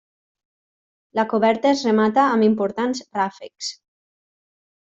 La coberta es remata amb importants ràfecs.